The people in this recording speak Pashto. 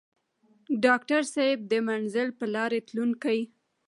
ډاکټر صېب د منزل پۀ لارې تلونکے